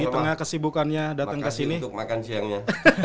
makasih untuk makan siangnya